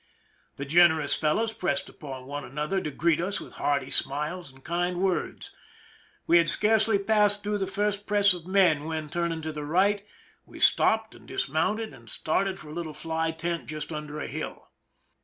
The generous fellows pressed upon one another to greet us with hearty smiles and kind words. We had scarcely passed through the first presss of men when, turning to the right, we stopped and dismounted, and started for a little fly tent just under a hill.